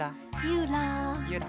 ゆら。